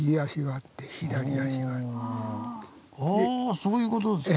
あぁそういうことですか！